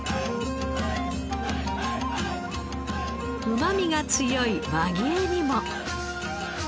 うまみが強い和牛にも。